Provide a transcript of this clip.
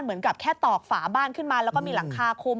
เหมือนกับแค่ตอกฝาบ้านขึ้นมาแล้วก็มีหลังคาคุม